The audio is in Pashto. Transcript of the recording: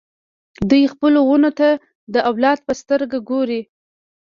دوی خپلو ونو ته د اولاد په سترګه ګوري.